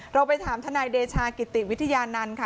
เราไปถามทนายเดชากิติวิทยานันต์ค่ะ